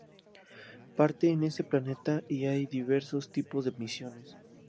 Parte en ese planeta y hay diversos tipos de misiones.